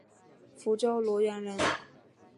福建罗源人。